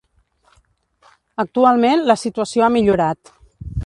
Actualment la situació ha millorat.